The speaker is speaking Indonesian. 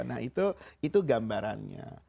nah itu gambarannya